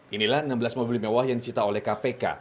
inilah enam belas mobil mewah yang disita oleh kpk